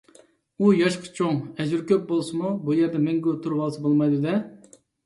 ئۇ ياشقا چوڭ، ئەجرى كۆپ بولسىمۇ، بۇ يەردە مەڭگۈ تۇرۇۋالسا بولمايدۇ - دە.